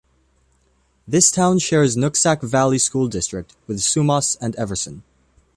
This town shares Nooksack Valley School District with Sumas and Everson.